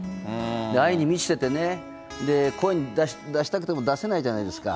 愛に満ちててね、声に出したくても出せないじゃないですか。